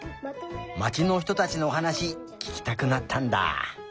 まちのひとたちのおはなしききたくなったんだ。